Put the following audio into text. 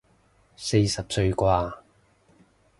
四十歲啩